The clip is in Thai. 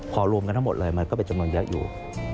พอรวมกันทั้งหมดเลยมันก็เป็นจำนวนเยอะอยู่